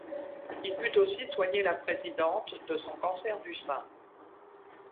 Il put aussi soigner la Présidente de son cancer du sein.